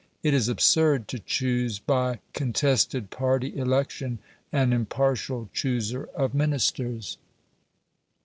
It is absurd to choose by contested party election an impartial chooser of Ministers.